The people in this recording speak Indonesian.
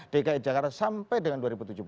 dki jakarta sampai dengan dua ribu tujuh belas